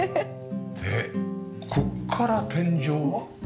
でここから天井は？